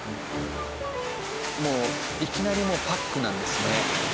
もういきなりパックなんですね。